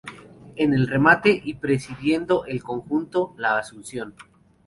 En el remate, y presidiendo el conjunto, la Asunción.